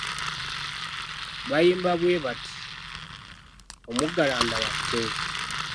Bayimba bwe bati, omugalanda waffe.